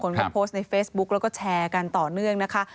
โพสต์ในเฟซบุ๊กแล้วก็แชร์กันต่อเนื่องนะคะ